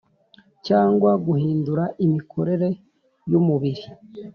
Cyangwa guhindura imikorere y umubiri